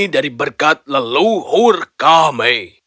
dari berkat leluhur kami